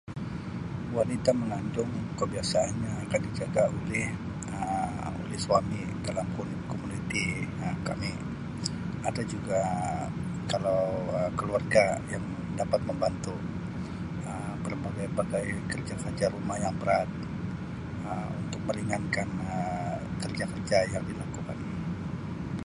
Wanita mengandung kebiasaannya akan dijaga oleh Um oleh suami dalam kom-komuniti kami. Ada juga kalau keluarga yang dapat membantu Um berbagai-bagai kerja-kerja rumah yang berat Um untuk meringankan Um kerja-kerja yang dilakukan.